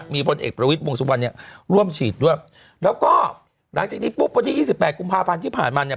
มีพลเอกประวิทย์วงสุวรรณเนี่ยร่วมฉีดด้วยแล้วก็หลังจากนี้ปุ๊บวันที่๒๘กุมภาพันธ์ที่ผ่านมาเนี่ย